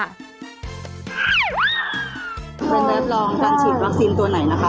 มันแน็ตลองการฉีดวัคซีนตัวไหนนะคะ